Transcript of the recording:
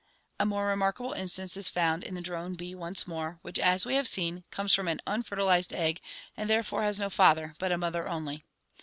A more remarkable instance is found in the drone bee once more, which, as we have seen, comes from an unfertilized egg and therefore has no father but a mother only.